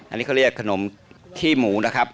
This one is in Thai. อันนี้เขาเรียกขนมขี้หมูนะครับ